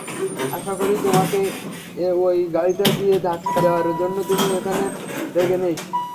আশা করি তোমাকে ওই গাড়িটা দিয়ে ধাক্কা দেওয়ার জন্য তুমি এখনও রেগে নেই।